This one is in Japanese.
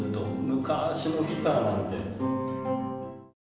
昔のギターなので。